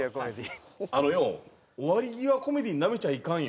あのよー終わり際コメディーナメちゃいかんよ